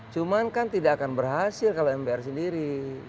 cuma kan tidak akan berhasil kalau mpr sendiri